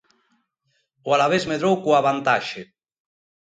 O Alavés medrou coa vantaxe.